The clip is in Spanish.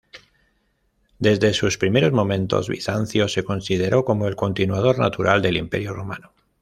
Desde sus primeros momentos, Bizancio se consideró como el continuador natural del Imperio Romano.